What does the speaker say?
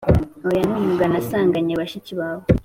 oya numwuga nasanganye bashiki bawe